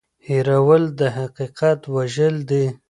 هېرول د حقیقت وژل دي.